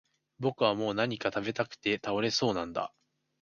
僕はもう何か喰べたくて倒れそうなんだ